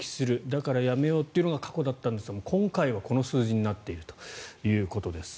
だからやめようというのが過去だったんですが今回はこの数字になっているということです。